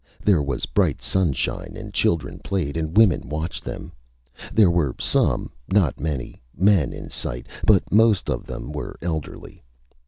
There was bright sunshine, and children played and women watched them. There were some not many men in sight, but most of them were elderly.